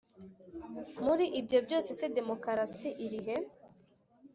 muri ibyo byose se demokarasi iri he